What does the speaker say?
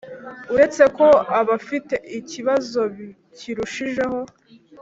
Uretse ko abafite ikibazo kirushijeho